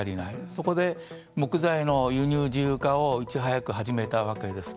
そこで、木材の輸入自由化をいち早く始めたわけです。